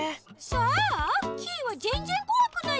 そう？キイはぜんぜんこわくないけど。